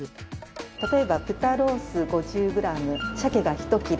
例えば豚ロース５０グラム鮭が１切れ